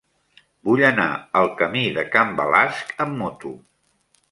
Vull anar al camí de Can Balasc amb moto.